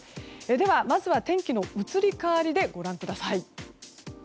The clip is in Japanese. では、まずは天気の移り変わりをご覧ください。